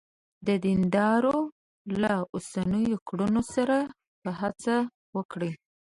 د دیندارانو له اوسنیو کړنو سره به څه وکړې.